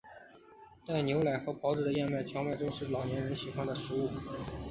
带牛奶和狍肉的燕麦和荞麦粥是老年人喜欢的食物。